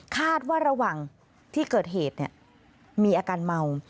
คาดว่าระหว่างที่เกิดเหตุมีอาการเมา